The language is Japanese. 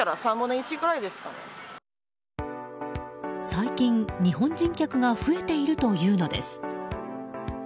最近、日本人客が増えているというのです。